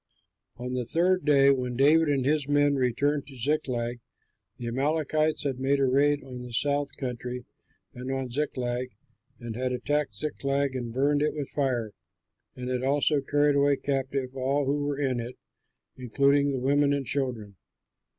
On the third day, when David and his men returned to Ziklag, the Amalekites had made a raid on the South Country and on Ziklag, and had attacked Ziklag and burned it with fire, and had also carried away captive all who were in it, including the women and children.